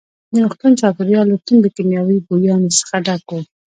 د روغتون چاپېریال له توندو کیمیاوي بویانو څخه ډک وو.